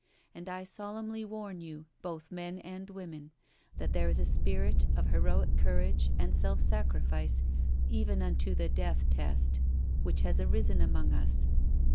And I solemnly warn you, both men and women, that there is a spirit of heroic courage and self sacri fice, even unto the death test, which has arisen among us."